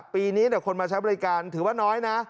ปีนี้คนมาใช้บริการถือว่าน้อยนะ